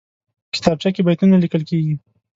کتابچه کې بیتونه لیکل کېږي